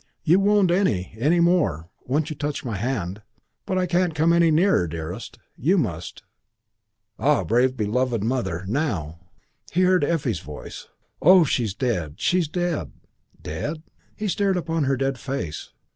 You won't any, any more, once you touch my hand. But I can't come any nearer, dearest. You must. You . Ah, brave, beloved Mother now!" He heard Effie's voice, "Oh, she's dead! She's dead!" Dead? He stared upon her dead face.